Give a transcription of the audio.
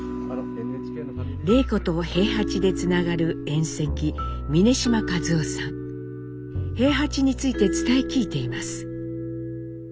礼子と兵八でつながる遠戚兵八について伝え聞いています。